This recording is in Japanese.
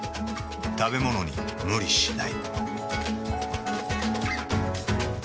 食べものに無理しない。